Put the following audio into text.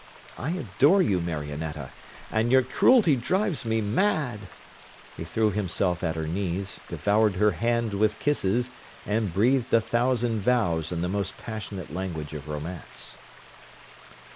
I adore you, Marionetta, and your cruelty drives me mad.' He threw himself at her knees, devoured her hand with kisses, and breathed a thousand vows in the most passionate language of romance.